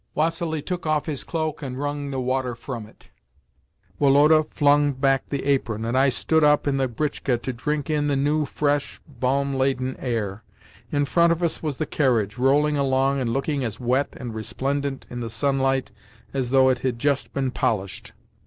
Vassili took off his cloak and wrung the water from it. Woloda flung back the apron, and I stood up in the britchka to drink in the new, fresh, balm laden air. In front of us was the carriage, rolling along and looking as wet and resplendent in the sunlight as though it had just been polished.